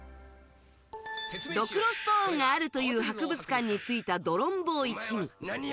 ドクロストーンがあるという博物館に着いたドロンボー一味。